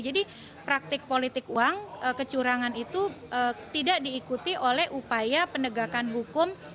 jadi praktik politik uang kecurangan itu tidak diikuti oleh upaya pendegakan hukum